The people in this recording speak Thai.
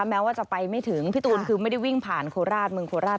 แม้ว่าจะไปไม่ถึงพี่ตูนคือไม่ได้วิ่งผ่านโคราชเมืองโคราช